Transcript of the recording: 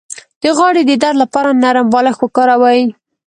د غاړې د درد لپاره نرم بالښت وکاروئ